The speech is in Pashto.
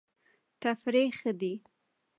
تفریح ښه دی.